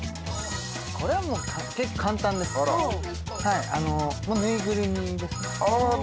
これはもう結構簡単です縫いぐるみですね